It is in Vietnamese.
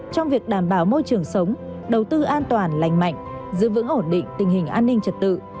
trong việc đảm bảo môi trường sống đầu tư an toàn lành mạnh giữ vững ổn định tình hình an ninh trật tự